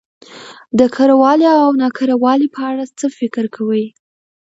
د کره والي او نا کره والي په اړه څه فکر کوؽ